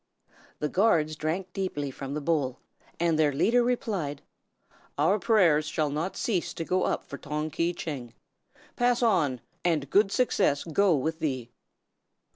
The guards drank deeply from the bowl, and their leader replied: "Our prayers shall not cease to go up for Tong Ki Tcheng. Pass on, and good success go with thee!"